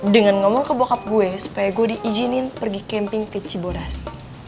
dengan ngomong ke bokap gue supaya gue diizinin pergi camping ke cibodas